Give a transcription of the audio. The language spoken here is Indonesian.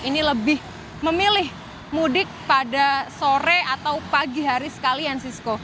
ini lebih memilih mudik pada sore atau pagi hari sekalian sisko